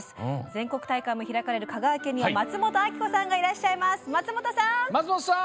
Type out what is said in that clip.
全国大会も開かれる香川県には松本明子さんがいらっしゃいます。